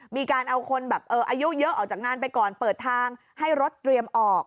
มีการเอาคนแบบอายุเยอะออกจากงานไปก่อนเปิดทางให้รถเตรียมออก